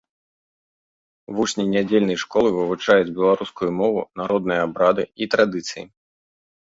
Вучні нядзельнай школы вывучаюць беларускую мову, народныя абрады і традыцыі.